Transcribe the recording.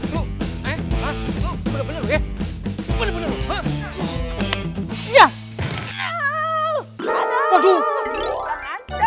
lu eh bener bener lu ya